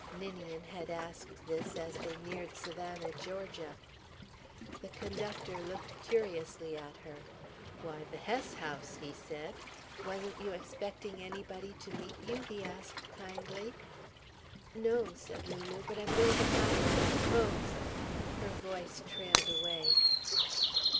Ninian had asked this as they neared Savannah, Georgia. The conductor looked curiously at her. "Why, the Hess House," he said. "Wasn't you expecting anybody to meet you?" he asked, kindly. "No," said Lulu, "but I'm going to find my folks " Her voice trailed away.